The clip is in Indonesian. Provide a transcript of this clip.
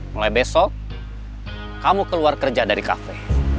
mulai besok kamu keluar kerja dari kafe